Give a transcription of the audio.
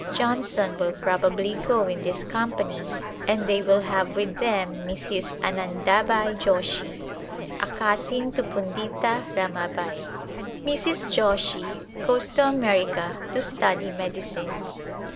Johnson will probably go in this company and they will have with them Mrs. Anandabai Joshi, a cousin to Pundita Ramabai. Mrs. Joshi goes to America to study medicine.